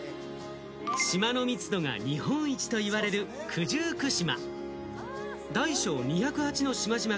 島の密度が日本一といわれる九十九島。